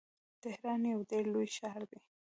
تهران یو ډیر لوی ښار دی.